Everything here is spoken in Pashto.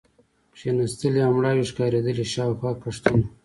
کېناستلې او مړاوې ښکارېدلې، شاوخوا کښتونه.